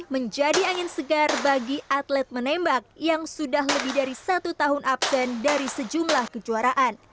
menjadi angin segar bagi atlet menembak yang sudah lebih dari satu tahun absen dari sejumlah kejuaraan